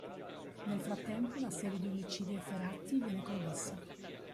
Nel frattempo una serie di omicidi efferati viene commessa.